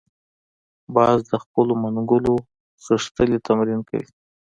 باز د خپلو منګولو غښتلي تمرین کوي